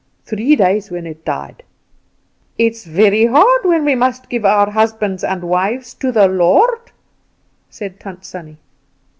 "Three days when it died." "It's very hard when we must give our husbands and wives to the Lord," said Tant Sannie.